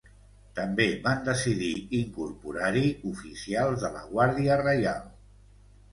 També van decidir incorporar-hi oficials de la Guàrdia Reial.